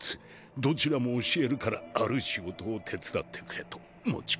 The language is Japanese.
どちらも教えるからある仕事を手伝ってくれと持ちかけてきた。